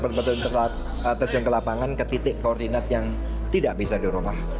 petugas harus berbetul terjangkau lapangan ke titik koordinat yang tidak bisa dirubah